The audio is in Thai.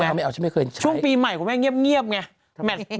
ไม่เอาไม่เอาฉันไม่เคยใช้ช่วงปีใหม่ของแม่เงียบไง